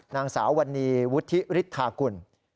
นางสาววันนี้วุฒิฤทธากุล